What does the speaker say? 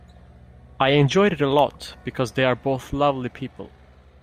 I enjoyed it a lot because they are both lovely people.